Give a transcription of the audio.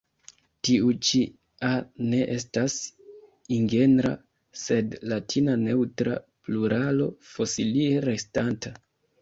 Tiu ĉi a ne estas ingenra sed latina neŭtra pluralo fosilie restanta.